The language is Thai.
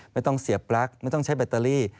ไม่ต้องเสียปลั๊กไม่ต้องใช้แบตเตอรี่